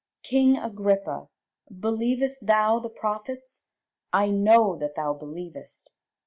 King Agrippa, believest thou the prophets? I know that thou believest.